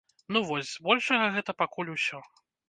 Ну вось, збольшага гэта пакуль усё.